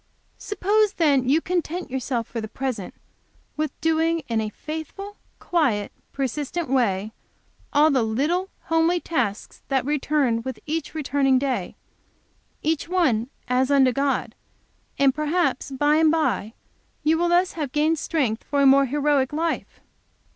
"Suppose then you content yourself for the present with doing in a faithful, quiet, persistent way all the little, homely tasks that return with each returning day, each one as unto God, and perhaps by and by you will thus have gained strength for a more heroic life."